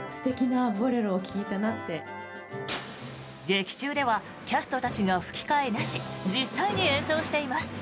劇中では、キャストたちが吹き替えなし実際に演奏しています。